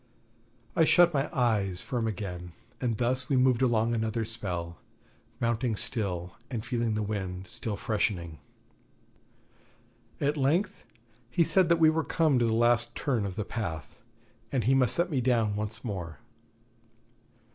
I shut my eyes firm again, and thus we moved along another spell, mounting still and feeling the wind still freshening. At length he said that we were come to the last turn of the path, and he must set me down once more.